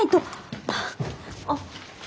あっ。